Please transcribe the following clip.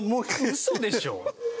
ウソでしょ？